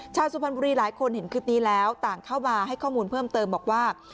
สุพรรณบุรีหลายคนเห็นคลิปนี้แล้วต่างเข้ามาให้ข้อมูลเพิ่มเติมบอกว่า